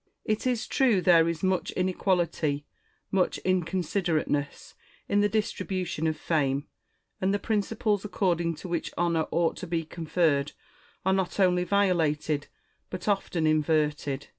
It is true there is much inequality, much inconsider ateness, in the distribution of fame ; and the principles according to which honour ought to be conferred are not only violated, but often inverted.